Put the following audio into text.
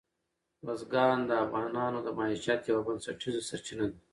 بزګان د افغانانو د معیشت یوه بنسټیزه سرچینه ده.